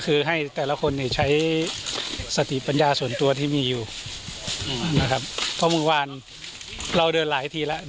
คือให้แต่ละคนเนี่ยใช้สติปัญญาส่วนตัวที่มีอยู่นะครับเพราะเมื่อวานเราเดินหลายทีแล้ว